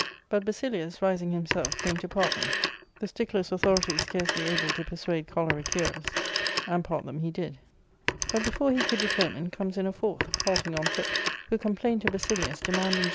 But Basilius, rising himself, came to part them, the sticklers' authority scarcely able to persuade choleric hearers : and part them he did ' But, before he could determine, comes in a fourth, halting on foot, who complained to Basilius, demanding justice on * Matachin dance.